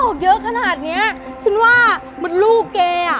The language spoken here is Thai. บอกเยอะขนาดเนี้ยฉันว่ามันลูกแกอ่ะ